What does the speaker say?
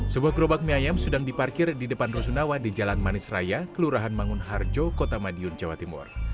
sebuah gerobak mie ayam sedang diparkir di depan rusunawa di jalan manis raya kelurahan mangunharjo kota madiun jawa timur